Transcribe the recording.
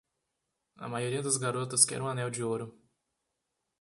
A maioria das garotas quer um anel de ouro.